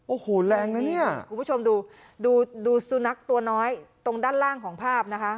โอ้โหแรงนะเนี่ยคุณผู้ชมดูดูสุนัขตัวน้อยตรงด้านล่างของภาพนะคะ